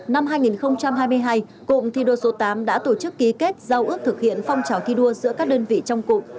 năm hai nghìn hai mươi hai cụm thi đua số tám đã tổ chức ký kết giao ước thực hiện phong trào thi đua giữa các đơn vị trong cụm